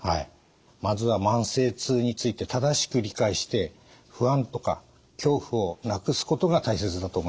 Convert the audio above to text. まずは慢性痛について正しく理解して不安とか恐怖をなくすことが大切だと思います。